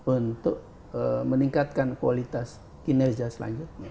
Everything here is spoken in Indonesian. untuk meningkatkan kualitas kinerja selanjutnya